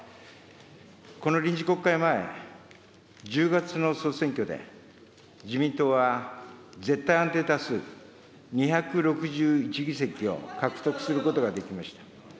この臨時国会前、１０月の総選挙で、自民党は絶対安定多数、２６１議席を獲得することができました。